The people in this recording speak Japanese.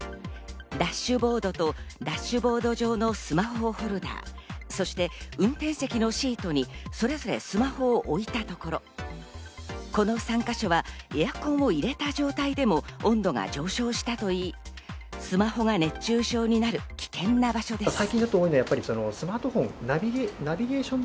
ダッシュボードとダッシュボード上のスマホホルダー、そして運転席のシートにそれぞれスマホを置いたところ、この３箇所はエアコンを入れた状態でも温度が上昇したといい、スマホが熱中症になる危険な場所です。